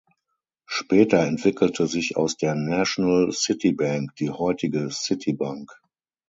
Später entwickelte sich aus der National City Bank die heutige Citibank.